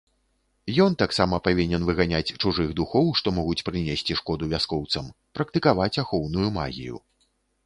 Ён таксама павінен выганяць чужых духоў, што могуць прынесці шкоду вяскоўцам, практыкаваць ахоўную магію.